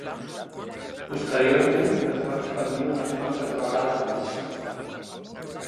Posteriorment es va expandir unes quantes vegades més.